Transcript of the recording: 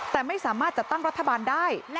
แต่ไม่สามารถจัดตั้งรัฐบาลได้